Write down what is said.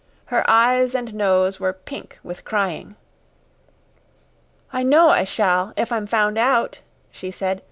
Her eyes and nose were pink with crying. "I know I shall if I'm found out." she said.